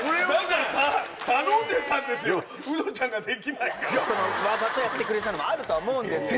そうだから。わざとやってくれてたのもあるとは思うんですけど。